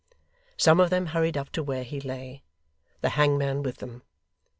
Some of them hurried up to where he lay; the hangman with them.